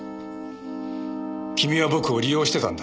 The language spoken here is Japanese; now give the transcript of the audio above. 君は僕を利用してたんだ。